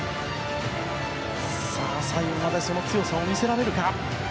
最後までその強さを見せられるか。